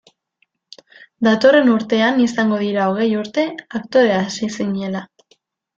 Datorren urtean izango dira hogei urte aktore hasi zinela.